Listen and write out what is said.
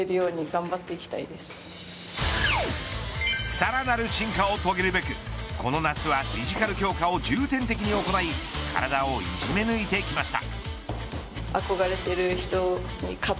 さらなる進化を遂げるべくこの夏はフィジカル強化を重点的に行い体をいじめ抜いてきました。